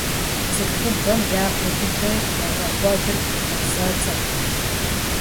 Цӏыхубэм япэ дыдэ яфӏэкӏуэдыр мазэцӏэхэрщ.